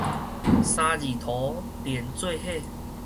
三字塗連做伙